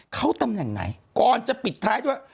เขาตำแหน่งไหนก่อนจะปิดท้ายด้วย